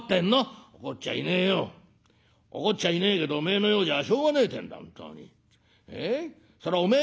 怒っちゃいねえけどおめえのようじゃしょうがねえってんだ本当に。